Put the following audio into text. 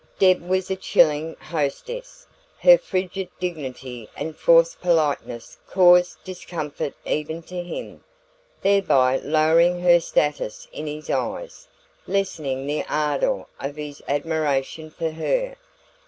Deb was a chilling hostess. Her frigid dignity and forced politeness caused discomfort even to him, thereby lowering her status in his eyes, lessening the ardour of his admiration for her.